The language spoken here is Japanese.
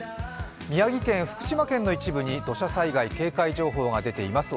宮城県福島県の一部に土砂災害警戒情報が出ています。